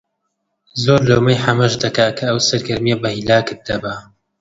زۆر لۆمەی حەمەش دەکا کە ئەو سەرگەرمییە بە هیلاکت دەبا